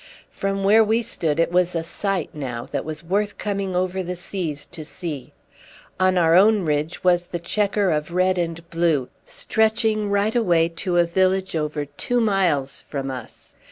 From where we stood it was a sight now that was worth coming over the seas to see. On our own ridge was the chequer of red and blue stretching right away to a village over two miles from us.